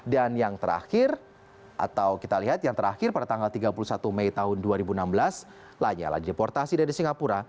dan yang terakhir atau kita lihat yang terakhir pada tanggal tiga puluh satu mei dua ribu enam belas lanyala dideportasi dari singapura